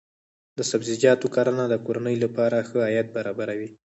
د سبزیجاتو کرنه د کورنۍ لپاره ښه عاید برابروي.